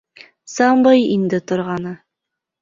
Сабый инде торғаны.